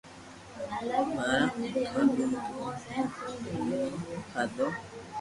پآزا کاڌو تو ھين ميٺو کادو